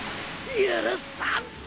許さんぞ。